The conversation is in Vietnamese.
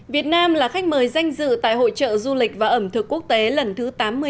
việt nam là khách mời danh dự tại hội trợ du lịch và ẩm thực quốc tế lần thứ tám mươi năm